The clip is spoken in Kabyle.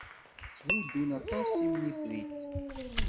Ttbuddun aṭas timennifrit.